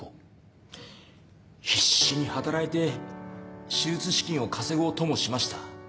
「必死に働いて手術資金を稼ごうともしました。